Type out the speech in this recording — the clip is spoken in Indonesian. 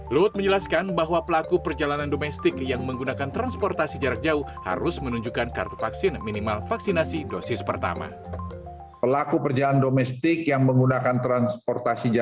luhut menjelaskan bahwa pelaku perjalanan domestik yang menggunakan transportasi jarak jauh harus menunjukkan kartu vaksin minimal vaksinasi dosis pertama